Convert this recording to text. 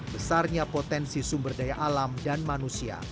besarnya potensi sumber daya alam dan manusia